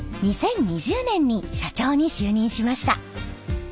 ２０２０年に社長に就任しました。